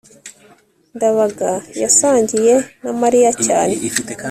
ndabaga yasangiye na mariya cyane